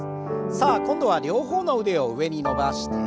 さあ今度は両方の腕を上に伸ばして。